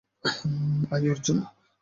আয়, অর্জুন।